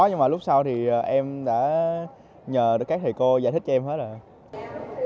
nhưng mà lúc sau thì em đã nhờ được các thầy cô giải thích cho em hết rồi